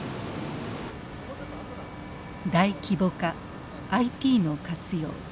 大規模化ＩＴの活用。